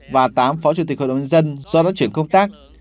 và tám phó chủ tịch hội đồng nhân dân do đã chuyển công tác